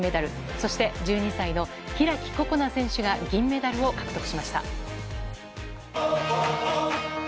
そして、１２歳の開心那選手が銀メダルを獲得しました。